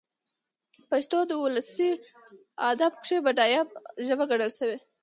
پښتو په اولسي ادب کښي بډايه ژبه ګڼل سوې.